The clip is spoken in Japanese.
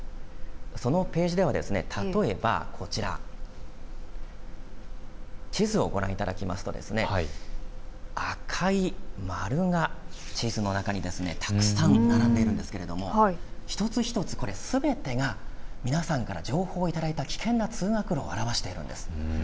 そのページでは例えば地図をご覧いただきますと赤い丸が地図の中にたくさん並んでいるんですけれども一つ一つ、これすべてが皆さんからいただいた危険な通学路を表しているんです。